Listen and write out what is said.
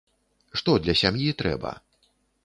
Што для сям'і трэба?